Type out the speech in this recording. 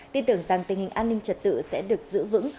tin tưởng rằng tình hình an ninh trật tự sẽ được giữ vững